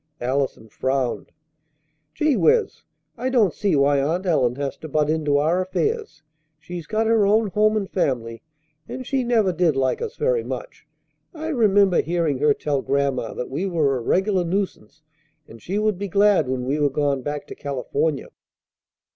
Allison frowned. "Gee whiz! I don't see why Aunt Ellen has to butt into our affairs. She's got her own home and family, and she never did like us very much. I remember hearing her tell Grandma that we were a regular nuisance, and she would be glad when we were gone back to California."